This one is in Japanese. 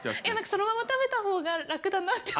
そのまま食べた方が楽だなって。